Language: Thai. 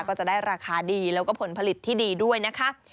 ก็จะได้ราคาดีแล้วก็ผลผลิตที่ดีด้วยนะคะ